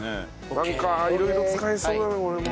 なんかいろいろ使えそうだなこれも。